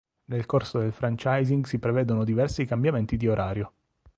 Nel corso del franchising si prevedono diversi cambiamenti di orario.